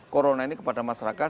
corona ini kepada masyarakat